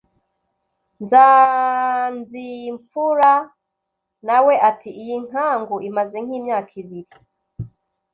Nzanzimfura nawe ati “Iyi nkangu imaze nk’imyaka ibiri